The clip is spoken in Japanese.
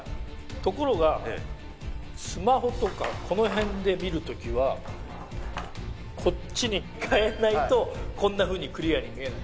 ところがスマホとかこの辺で見る時はこっちにかえないとこんなふうにクリアに見えない。